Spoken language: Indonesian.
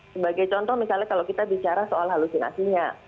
sebagai contoh misalnya kalau kita bicara soal halusinasinya